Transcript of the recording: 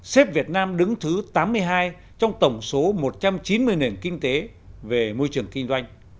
xếp việt nam đứng thứ tám mươi hai trong tổng số một trăm chín mươi nền kinh tế về môi trường kinh doanh